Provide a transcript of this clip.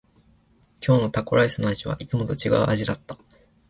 今日のタコライスの味はいつもと違う味だった。